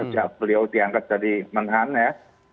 sejak beliau diangkat dari menhan ya